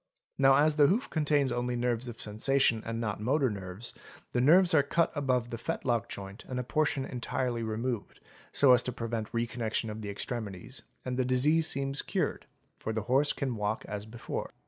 Now as the hoof contains — only nerves of sensation and not motor nerves, the nerves are cut above — the fetlock joint and a portion entirely removed, so as to prevent re connection of the extremities, and the disease seems cured, for the horse — can walk as before.